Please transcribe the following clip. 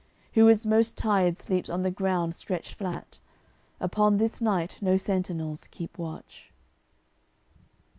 Who is most tired sleeps on the ground stretched flat. Upon this night no sentinels keep watch.